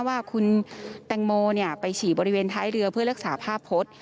ว่าคุณแตงโมไปฉี่บริเวณท้ายเรือเพื่อรักษาภาพพจน์